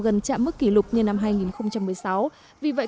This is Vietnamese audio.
gần trẻ trẻ bị bệnh